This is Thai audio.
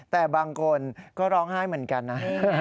แต่บางคนก็ร้องไห้เหมือนกันนะ